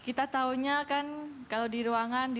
kita tahunya kan kalau di ruangan